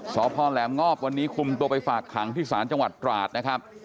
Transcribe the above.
สพแหลมงอบวันนี้คุมตัวไปฝากขังที่ศาลจังหวัดตราดนะครับ